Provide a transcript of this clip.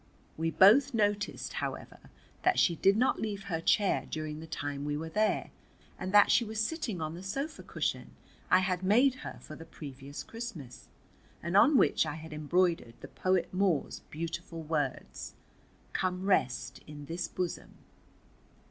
We both noticed however, that she did not leave her chair during the time we were there, and that she was sitting on the sofa cushion I had made her for the previous Christmas, and on which I had embroidered the poet Moore's beautiful words: "Come, rest in this bosom."